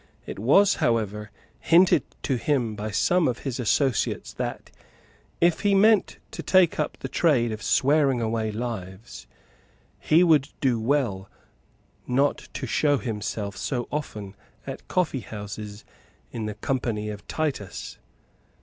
It was, however, hinted to him by some of his associates that, if he meant to take up the trade of swearing away lives, he would do well not to show himself so often at coffeehouses in the company of Titus.